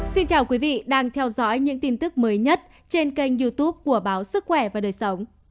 xin chào quý vị đang theo dõi những tin tức mới nhất trên kênh youtube của báo sức khỏe và đời sống